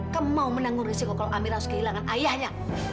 kamu mau menanggung risiko kalau amir harus kehilangan ayahnya